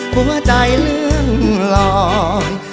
หัวใจเลื่อนลอน